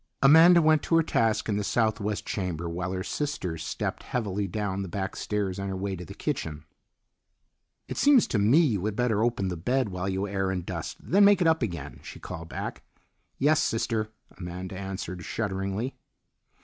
Amanda went to her task in the southwest chamber while her sister stepped heavily down the back stairs on her way to the kitchen. "It seems to me you had better open the bed while you air and dust, then make it up again," she called back. "Yes, sister," Amanda answered, shudderingly.